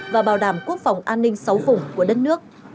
và bảo đảm quốc phòng an ninh sáu vùng của đất nước